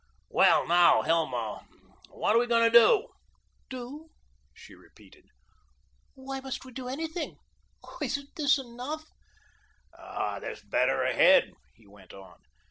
"Well, now, Hilma, what are we going to do?" "Do?" she repeated. "Why, must we do anything? Oh, isn't this enough?" "There's better ahead," he went on.